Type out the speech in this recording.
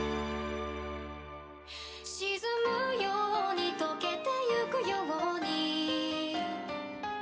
「沈むように溶けてゆくように」